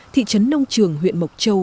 thị trấn nông trường huyện mộc châu